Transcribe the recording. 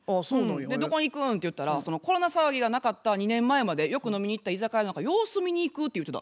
「どこ行くん？」って言ったらコロナ騒ぎがなかった２年前までよく飲みに行った居酒屋の様子を見に行くって言ってた。